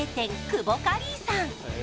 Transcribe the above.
クボカリーさん